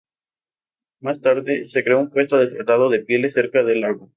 Más tarde, se creó un puesto de tratado de pieles cerca del lago.